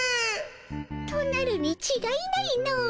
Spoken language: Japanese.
となるにちがいないの。